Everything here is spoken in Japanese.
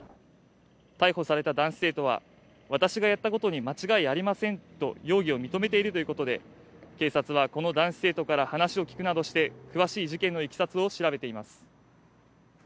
逮捕された男子生徒は私がやったことに間違いありませんと容疑を認めているということで警察はこの男子生徒から話を聴くなどして詳しい事件のいきさつを調べています